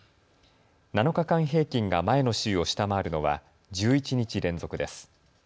７日間平均が前の週を下回るのは１１日連続です。